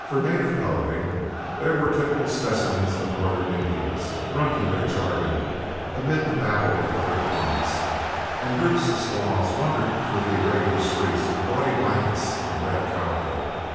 For native coloring, there were typical specimens of northern Indians, grunting their jargon amid the babel of other tongues; and groups of squaws wandered through the irregular streets in gaudy blankets and red calico.